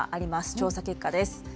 調査結果です。